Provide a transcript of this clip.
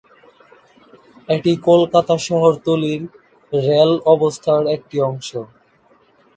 এটি কলকাতা শহরতলি রেল ব্যবস্থার একটি অংশ।